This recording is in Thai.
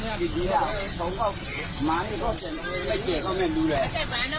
ใส่เกิดกฎดีดีล่ะเหมือนที่เก่งไม่เก่งเขาไม่ดูแล